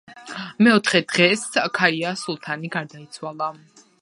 მეოთხე დღეს ქაია სულთანი გარდაიცვალა.